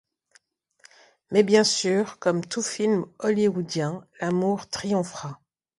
Mais bien sûr, comme tout film hollywoodien, l'amour triomphera…